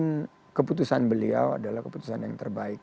dan keputusan beliau adalah keputusan yang terbaik